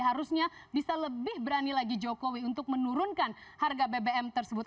harusnya bisa lebih berani lagi jokowi untuk menurunkan harga bbm tersebut